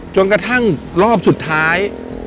จนกระทั่งรอบสุดท้าย